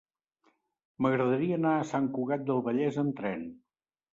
M'agradaria anar a Sant Cugat del Vallès amb tren.